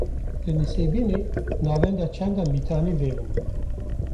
Li Nisêbînê, Navenda Çanda Mîtanî vebû